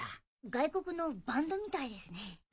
外国のバンドみたいですね。